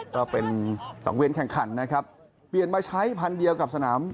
ก็เป็นสังเวียนแข่งขันนะครับเปลี่ยนมาใช้พันธุ์เดียวกับสนาม